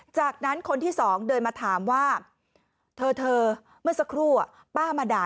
จากนั้นคนที่สองเดินมาถามว่าเธอเมื่อสักครู่ป้ามาด่า